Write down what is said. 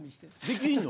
できんの？